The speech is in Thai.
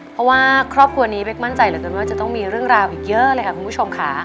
เพราะว่าครอบครัวนี้แบ๊คมั่นใจเลยว่าจะต้องมีเรื่องราวอีกเยอะเลยค่ะ